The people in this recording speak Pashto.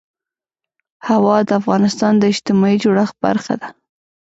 هوا د افغانستان د اجتماعي جوړښت برخه ده.